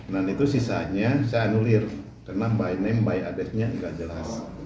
nah itu sisanya saya anulir karena by name by aditnya nggak jelas